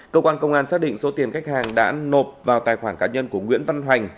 cơ quan công an xác định số tiền khách hàng đã nộp vào tài khoản cá nhân của nguyễn văn hoành